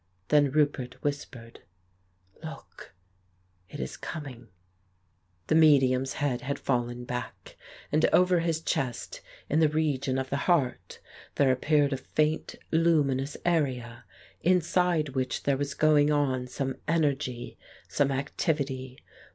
Then Roupert whispered. "Look; it is coming." 160 The Case of Frank Hampden The medium's head had fallen back, and over his chest, in the region of the heart, there appeared a faint, luminous area, inside which there was going on some energy, some activity.